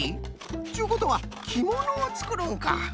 ちゅうことはきものをつくるんか？